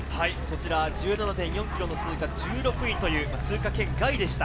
１７．４ｋｍの通過、１６位という通過圏外でした。